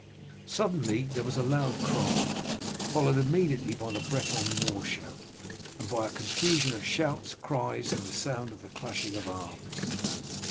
Suddenly there was a loud cry, followed immediately by the Breton war shout, and by a confusion of shouts, cries, and the sound of the clashing of arms.